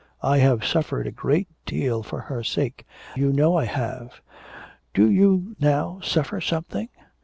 I have suffered a great deal for her sake; you know I have. Do you now suffer something.